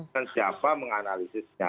dan siapa menganalisisnya